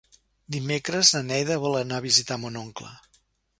Dimecres na Neida vol anar a visitar mon oncle.